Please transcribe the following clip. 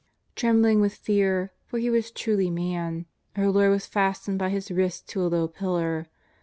Trembling with fear, for He was truly man, our Lord was fastened by His wrists to a low pillar.